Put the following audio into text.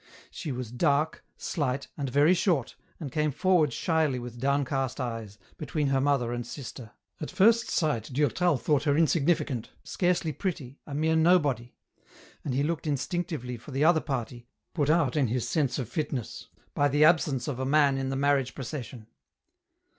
She was dark, slight, and very short, and came forward shyly with downcast eyes, between her mother and sister. At first sight Durtal thought her insignificant, scarcely pretty, a mere nobody ; and he looked instinctively for the other party, put out in his sense of fitness, by the absence of a man in the marriage procession.